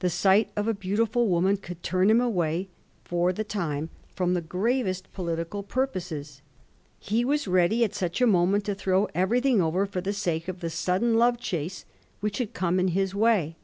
The sight of a beautifiil woman could turn him away for the time from the gravest political purposes. He was ready at such a moment to throw .anything over for the sake of the sudden love chase which had come in his way.